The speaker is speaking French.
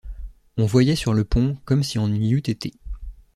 On voyait sur le pont comme si on y eût été.